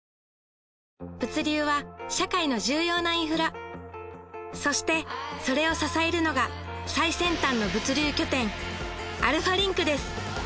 物流は社会の重要なインフラそしてそれを支えるのが最先端の物流拠点アルファリンクです